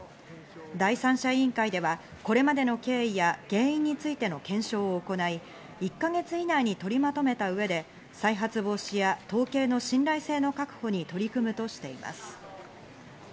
第三者委員会ではこれまでの経緯や原因についての検証を行い、１か月以内に取りまとめた上で、再発防止や統計の信頼性の確保に取り組むとしています。